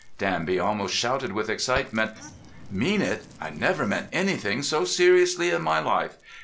Danby almost shouted with excitement. "Mean it? I never meant anything so seriously in my life.